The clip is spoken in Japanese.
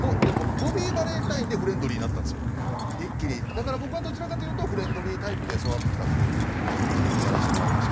だから僕はどちらかというとフレンドリータイプで育ってきたんで自由にやらせてもらいましたけど。